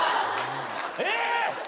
えっ？